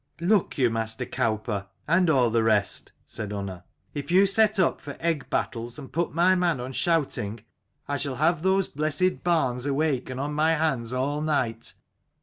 "Look you, master cowper, and all the rest," F 41 said Unna, "if you set up for eggbattles and put my man on shouting, I shall have those blessed barns awake and on my hands all night.